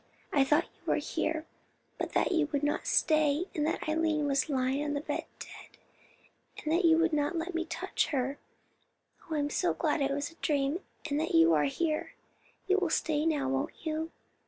"I thought you were here, but that you would not stay, and that Eileen was lying on the bed dead, and that you would not let me touch her. Oh, I am glad it was a dream, and that you are here. You will stay now, won't you?